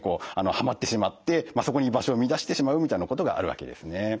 はまってしまってそこに居場所を見いだしてしまうみたいなことがあるわけですね。